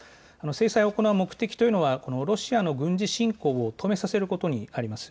制裁を行う目的というのはロシアの軍事侵攻を止めさせることにあります。